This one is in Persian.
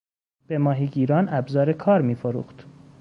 به ماهیگیران ابزار کار میفروخت.